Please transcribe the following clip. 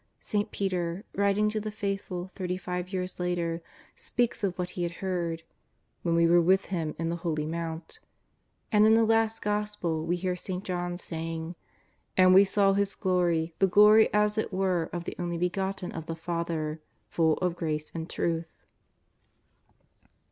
St. Peter, writing to the faithful thirty five years later, speaks of what he had heard " when we were with Him in the holy Mount.'' And in the Last Gospel we hear St. John saying: ^'And we saw His glory, the glory as it were of the Only Begotten of the Father, full of grace and truth."